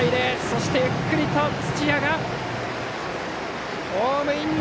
そしてゆっくりと土屋がホームイン！